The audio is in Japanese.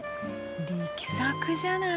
力作じゃない。